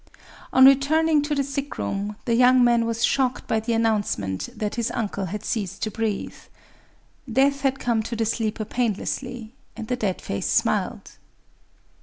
On returning to the sick room, the young man was shocked by the announcement that his uncle had ceased to breathe. Death had come to the sleeper painlessly; and the dead face smiled.